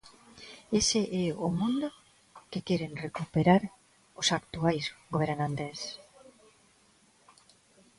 Ese é o mundo que queren recuperar os actuais gobernantes.